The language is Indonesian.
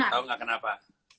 tahu nggak kenapa